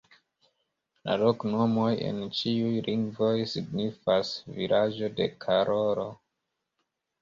La loknomoj en ĉiuj lingvoj signifas: "Vilaĝo de Karolo".